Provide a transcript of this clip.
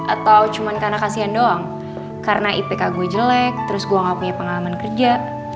atau cuma karena kasihan doang karena ipk gue jelek terus gue gak punya pengalaman kerja